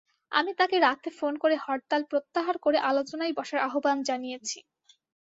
আমি তাঁকে রাতে ফোন করে হরতাল প্রত্যাহার করে আলোচনায় বসার আহ্বান জানিয়েছি।